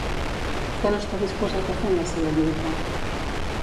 Què no està disposat a fer en la seva lluita?